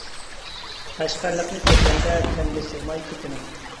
، قەشقەرلىكنى كۆرگەندە تەنگە سىغماي كېتىمەن.